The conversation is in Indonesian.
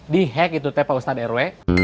di hack itu tap pak ustadz rw